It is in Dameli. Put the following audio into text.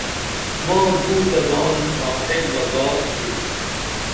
ما دو تہ دان آں ایک بہ گا تُھوئی۔